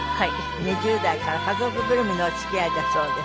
２０代から家族ぐるみのお付き合いだそうです。